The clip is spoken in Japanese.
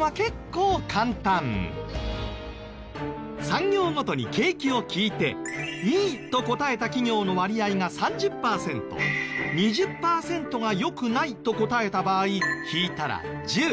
産業ごとに景気を聞いていいと答えた企業の割合が３０パーセント２０パーセントが良くないと答えた場合引いたら１０。